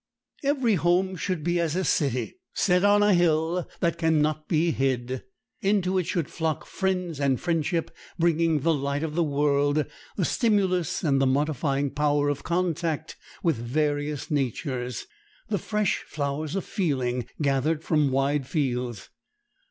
Every home should be as a city set on a hill, that can not be hid. Into it should flock friends and friendship, bringing the light of the world, the stimulus and the modifying power of contact with various natures, the fresh flowers of feeling gathered from wide fields.